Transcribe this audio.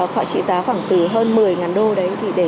khoản trị giá khoảng từ hơn một mươi đô đấy thì để